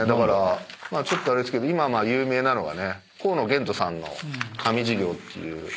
ちょっとあれですけど今有名なのが河野玄斗さんの『神授業』っていう。